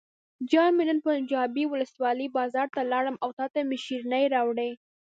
جان مې نن پنجوایي ولسوالۍ بازار ته لاړم او تاته مې شیرینۍ راوړې.